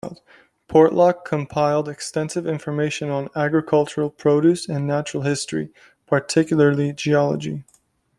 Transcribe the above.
Portlock compiled extensive information on agricultural produce and natural history, particularly geology.